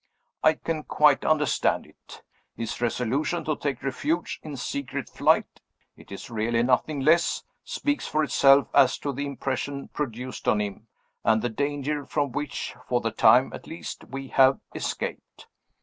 I can quite understand it. His resolution to take refuge in secret flight (it is really nothing less) speaks for itself as to the impression produced on him, and the danger from which, for the time at least, we have escaped.